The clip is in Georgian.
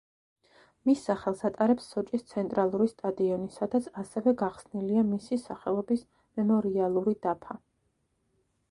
მის სახელს ატარებს სოჭის ცენტრალური სტადიონი, სადაც ასევე გახსნილია მისი სახელობის მემორიალური დაფა.